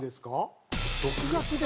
「独学で」